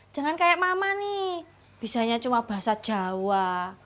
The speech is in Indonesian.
jangan kayak mama nih bisanya cuma bahasa jawa